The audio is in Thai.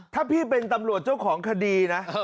ถ้าพี่เป็นตำรวจเจ้าของคดีนะ